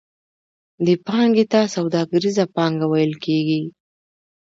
دې پانګې ته سوداګریزه پانګه ویل کېږي